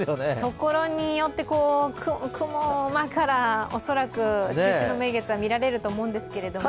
所によって雲間から恐らく中秋の名月が見られると思うんですけれども。